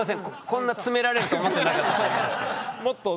こんな詰められると思ってなかった。